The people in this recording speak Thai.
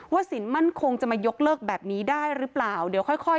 ว่าศิลป์มั่นคงจะมายกเลิกแบบนี้ได้หรือเปล่าเดี๋ยวค่อย